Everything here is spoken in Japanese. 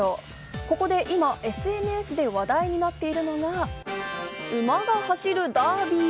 ここで今、ＳＮＳで話題になっているのが、馬が走るダービー。